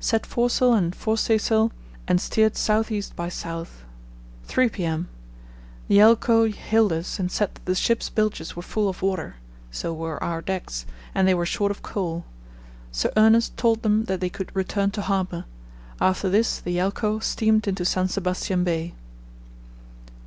Set foresail and forestay sail and steered south east by south. 3 p.m.—Yelcho hailed us and said that the ship's bilges were full of water (so were our decks) and they were short of coal. Sir Ernest told them that they could return to harbour. After this the Yelcho steamed into San Sebastian Bay."